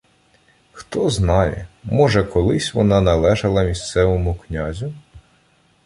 Хто знає, може, колись вона належала місцевому князю?